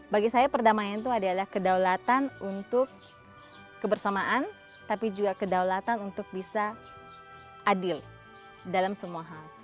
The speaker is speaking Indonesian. bagi saya perdamaian itu adalah kedaulatan untuk kebersamaan tapi juga kedaulatan untuk bisa adil dalam semua hal